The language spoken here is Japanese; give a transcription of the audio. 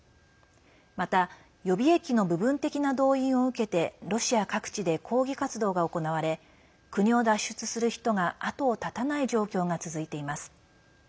また予備役の部分的な動員を受けてロシア各地で抗議活動が行われ国を脱出する人が後を絶たない状況が続いています。